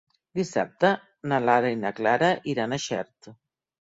Dissabte na Lara i na Clara iran a Xert.